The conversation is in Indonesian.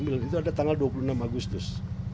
itu ada tanggal dua puluh enam agustus